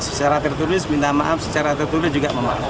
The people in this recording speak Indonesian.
secara tertulis minta maaf secara tertulis juga memaafkan